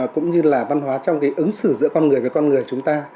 cũng như là văn hóa trong cái ứng xử giữa con người với con người chúng ta